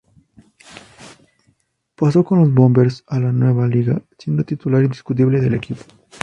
Pasó con los Bombers a la nueva liga, siendo titular indiscutible del equipo.